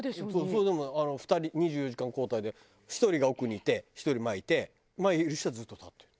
それでも２人２４時間交代で１人が奥にいて１人前いて前いる人はずっと立ってる。